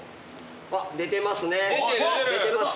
あっ出てますね。